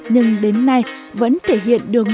nhưng đến nay vẫn thể hiện được